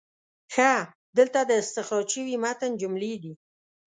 ښه، دلته د استخراج شوي متن جملې دي: